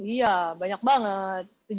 iya banyak banget